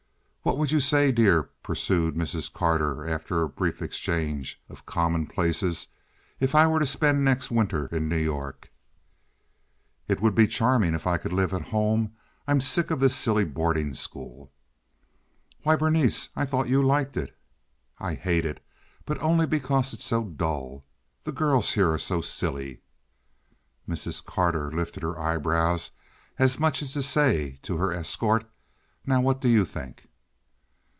"What would you say, dear," pursued Mrs. Carter, after a brief exchange of commonplaces, "if I were to spend next winter in New York?" "It would be charming if I could live at home. I'm sick of this silly boarding school." "Why, Berenice! I thought you liked it." "I hate it, but only because it's so dull. The girls here are so silly." Mrs. Carter lifted her eyebrows as much as to say to her escort, "Now what do you think?"